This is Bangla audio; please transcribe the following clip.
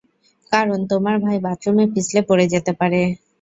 কারণ তোমার ভাই বাথরুমে পিছলে পড়ে যেতে পারে।